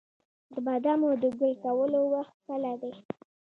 د بادامو د ګل کولو وخت کله دی؟